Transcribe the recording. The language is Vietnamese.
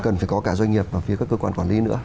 cần phải có cả doanh nghiệp và phía các cơ quan quản lý nữa